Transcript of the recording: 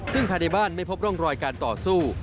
ซึ่งภายในบ้านไม่พบร่องรอยการต่อสู้